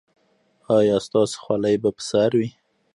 ایا ستاسو خولۍ به پر سر وي؟